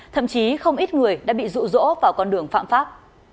thậm chí không ít người đã bị rụ rỗ vào con đường phạm pháp